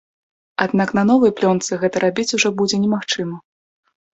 Аднак на новай плёнцы гэта рабіць ужо будзе немагчыма.